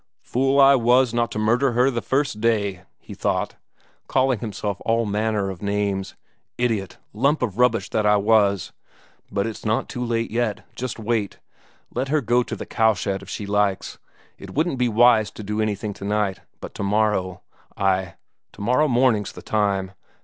"Fool I was not to murder her the first day!" he thought, calling himself all manner of names. "Idiot, lump of rubbish that I was! But it's not too late yet; just wait, let her go to the cowshed if she likes. It wouldn't be wise to do anything tonight, but tomorrow ... ay, tomorrow morning's the time.